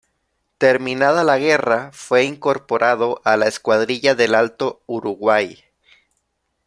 Terminada la guerra, fue incorporado a la escuadrilla del Alto Uruguay.